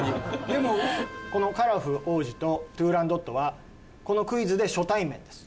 でもこのカラフ王子とトゥーランドットはこのクイズで初対面です。